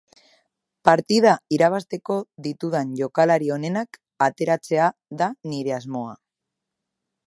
Partida irabazteko ditudan jokalari onenak ateratzea da nire asmoa.